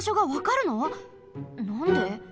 なんで？